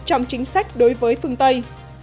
trong chính sách đối với phương tây